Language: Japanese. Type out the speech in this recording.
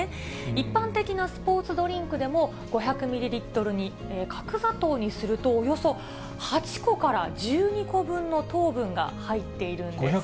一般的なスポーツドリンクでも、５００ミリリットルに、角砂糖にすると、およそ８個から１２個分の糖分が入っているんです。